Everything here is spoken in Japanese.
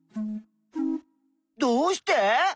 どうして？